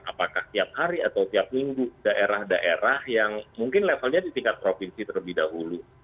apakah tiap hari atau tiap minggu daerah daerah yang mungkin levelnya di tingkat provinsi terlebih dahulu